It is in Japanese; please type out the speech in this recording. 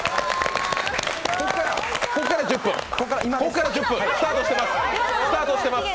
ここから１０分、スタートしています。